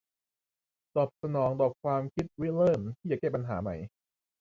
ตอบสนองต่อความคิดริเริ่มที่จะแก้ปัญหาใหม่